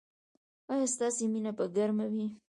ایا ستاسو مینه به ګرمه وي؟